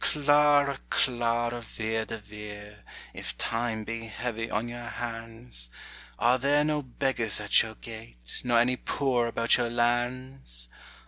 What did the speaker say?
Clara, Clara Vere de Vere, If Time be heavy on your hands, Are there no beggars at your gate. Nor any poor about your lands?